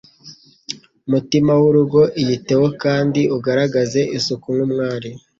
mutima w'urugo Iyiteho kandi ugaragaze isuku nk'umwari